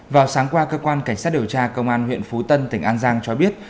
vào sáng qua cơ quan cảnh sát điều tra công an huyện phú tân tỉnh an giang cho biết